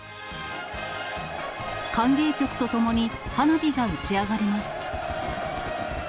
歓迎曲とともに花火が打ち上がります。